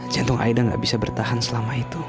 jantung aida nggak bisa bertahan selama itu